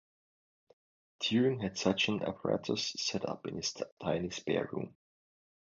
Turing had such an apparatus set up in his tiny spare room.